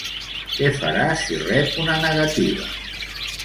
Que farà si rep una negativa?